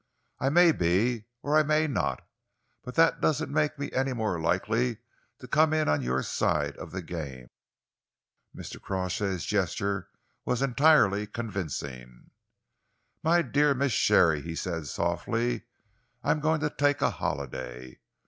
I may be or I may not, but that doesn't make me any the more likely to come in on your side of the game." Mr. Crawshay's gesture was entirely convincing. "My dear Miss Sharey," he said softly, "I am going to take a holiday.